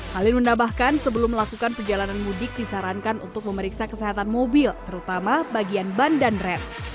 halil menambahkan sebelum melakukan perjalanan mudik disarankan untuk memeriksa kesehatan mobil terutama bagian ban dan rem